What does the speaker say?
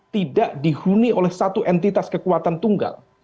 tidak dihuni oleh satu entitas kekuatan tunggal